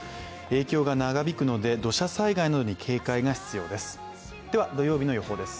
影響が長引くので土砂災害に警戒が必要です。